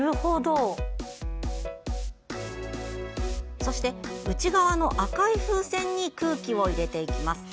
そして、内側の赤い風船に空気を入れていきます。